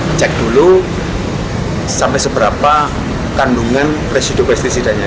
kita cek dulu sampai seberapa kandungan residu pesticidanya